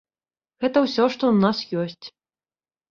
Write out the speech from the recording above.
Гэта ўсё, што ў нас ёсць.